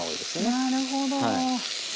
なるほど。